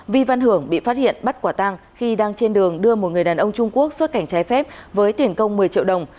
vi văn hưởng bị phát hiện bắt quả tăng khi đang trên đường đưa một người đàn ông trung quốc xuất cảnh trái phép với tiền công một mươi triệu đồng